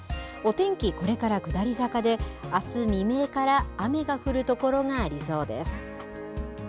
お天気、これから下り坂で、あす未明から雨が降る所がありそうです。